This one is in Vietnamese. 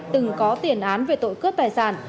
từng có tiền án về tội cướp tài sản